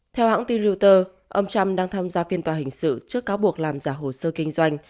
theo hãng tin reuter ông trump đang tham gia phiên tòa hình sự trước cáo buộc làm giả hồ sơ kinh doanh